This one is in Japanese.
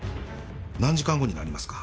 何時間後になりますか？